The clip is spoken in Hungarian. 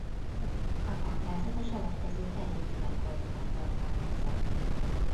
A táblázat a selejtezők előtti rekordokat tartalmazza.